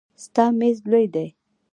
ستا میز لوی دی.